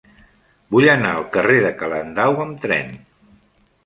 Vull anar al carrer de Calendau amb tren.